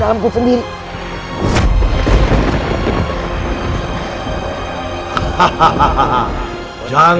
dan juga kepada kehendakpadaku